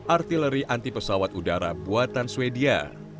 artileri anti pesawat udara buatan sweden